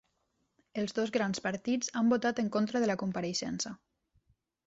Els dos grans partits han votat en contra de la compareixença